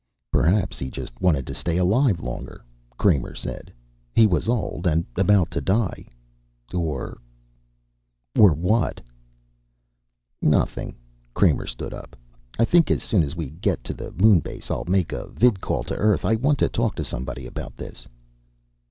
"Perhaps he just wanted to stay alive longer," Kramer said. "He was old and about to die. Or " "Or what?" "Nothing." Kramer stood up. "I think as soon as we get to the moon base I'll make a vidcall to earth. I want to talk to somebody about this."